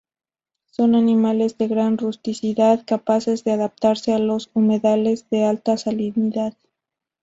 Son animales de gran rusticidad, capaces de adaptarse a los humedales de alta salinidad.